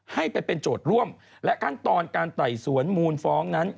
ให้ไปเป็นโจทย์ร่วมและขั้นตอนการไต่สวนมูลฟ้องนั้น